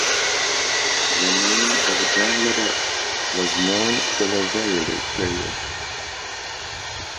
The name of Jangladesh was known till a very late period.